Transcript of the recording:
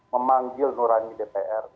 memanggil nurani dpr